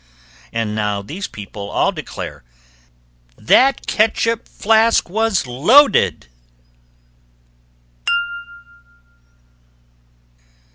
And now these people all declare That catsup flask was loaded.